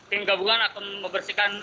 tim gabungan akan membersihkan